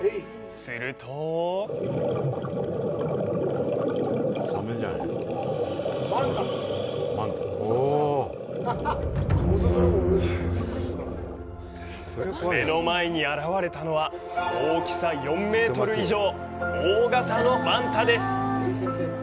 すると目の前に現れたのは、大きさ４メートル以上、大型のマンタです！